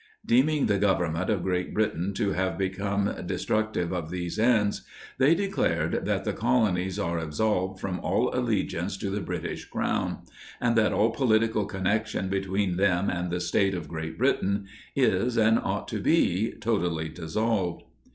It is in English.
Deeming the Government of Great Britain to have become destruc tive of these ends, they declared that the Colonies "are absolved from all allegiance to the British Crown, and that all political connection between them and the State of Great Britain is, and ought to be, totally dissolved."